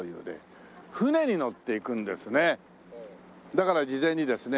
だから事前にですね